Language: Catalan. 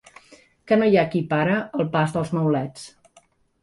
Que no hi ha qui pare el pas dels maulets.